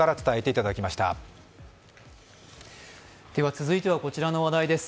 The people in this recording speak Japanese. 続いてはこちらの話題です。